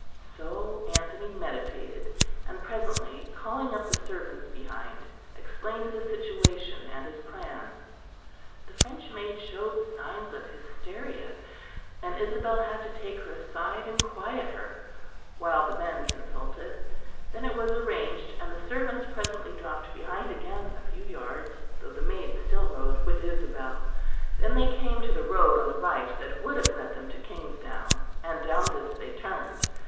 So Anthony meditated; and presently, calling up the servants behind, explained the situation and his plan. The French maid showed signs of hysteria and Isabel had to take her aside and quiet her, while the men consulted. Then it was arranged, and the servants presently dropped behind again a few yards, though the maid still rode with Isabel. Then they came to the road on the right that would have led them to Kingsdown, and down this they turned.